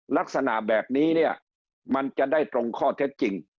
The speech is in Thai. ลักษณะแบบนี้เนี่ยมันจะได้ตรงข้อเท็จจริง